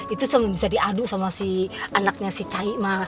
itu sama bisa diadu sama si anaknya si cai ma